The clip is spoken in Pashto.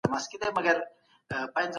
ستانکزی